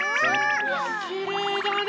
うわきれいだね。